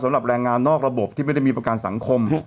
สำหรับแรงงานนอกระบบที่ไม่ได้มีประกันสังคม